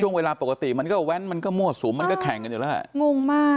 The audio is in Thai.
เวลาปกติมันก็แว้นมันก็มั่วสุมมันก็แข่งกันอยู่แล้วแหละงงมาก